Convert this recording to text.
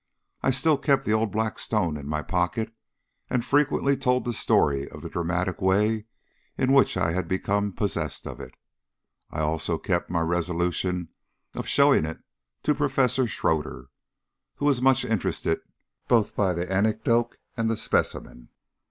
I still kept the old black stone in my pocket, and frequently told the story of the dramatic way in which I had become possessed of it. I also kept my resolution of showing it to Professor Shroeder, who was much interested both by the anecdote and the specimen.